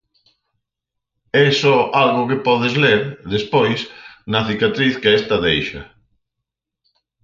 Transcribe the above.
É só algo que podes ler, despois, na cicatriz que esta deixa.